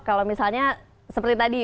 kalau misalnya seperti tadi